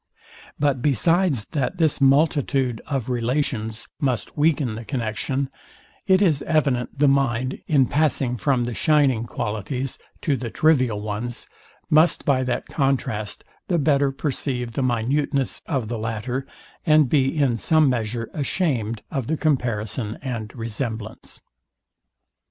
But besides that this multitude of relations must weaken the connexion; it is evident the mind, in passing from the shining qualities to the trivial ones, must by that contrast the better perceive the minuteness of the latter, and be in some measure ashamed of the comparison and resemblance.